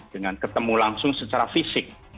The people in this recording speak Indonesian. dengan ketemu langsung secara fisik